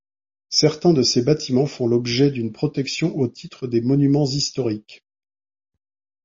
Certains de ces bâtiments font l'objet d'une protection au titre des monuments historiques.